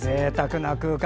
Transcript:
ぜいたくな空間。